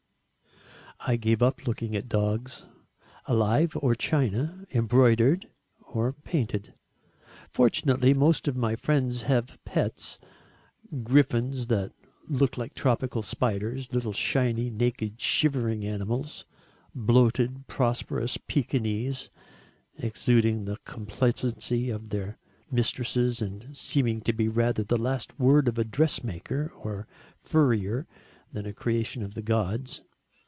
I gave up looking at dogs, alive or china, embroidered or painted. Fortunately most of my friends have "pets," griffons that look like tropical spiders, little shiny naked shivering animals, bloated prosperous Pekineses, exuding the complacency of their mistresses and seeming to be rather the last word of a dressmaker, or a furrier, than a creation of the Gods.